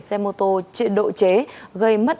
xe mô tô trị độ chế gây mất